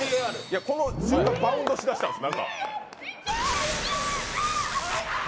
この瞬間、バウンドしだしたんです